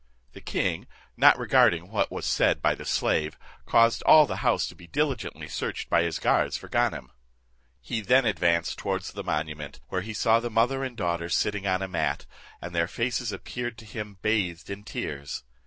The king, not regarding what was said by the slave, caused all the house to be diligently searched by his guards for Ganem. He then advanced towards the monument, where he saw the mother and daughter sitting on a mat, and their faces appeared to him bathed in tears.